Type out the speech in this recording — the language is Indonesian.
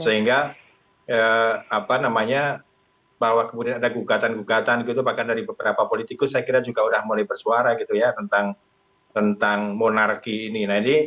sehingga apa namanya bahwa kemudian ada gugatan gugatan gitu bahkan dari beberapa politikus saya kira juga sudah mulai bersuara gitu ya tentang monarki ini